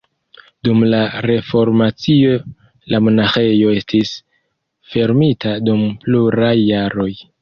Dum la reformacio la monaĥejo estis fermita dum pluraj jaroj.